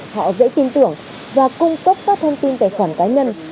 họ dễ tin tưởng và cung cấp các thông tin tài khoản cá nhân